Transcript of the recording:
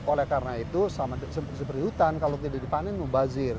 oleh karena itu sama seperti hutan kalau tidak dipanen mubazir